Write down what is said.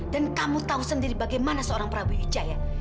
dan kamu tahu sendiri bagaimana seorang prabu wijaya